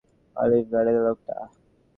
Olive গার্ডেনের লোকটা?